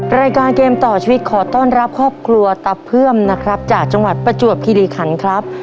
รายการเกมต่อชีวิตขอต้อนรับครอบครัวตะเพื่อมนะครับจากจังหวัดประจวบคิริขันครับ